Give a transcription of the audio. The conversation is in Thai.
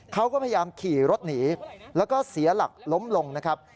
เขาก็พยายามขี่รถหนีแล้วก็เสียหลักล้มลงนะครับ